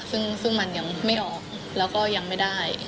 ซึ่งมันยังไม่ออกแล้วก็ยังไม่ได้